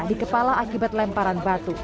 di kepala akibat lemparan batu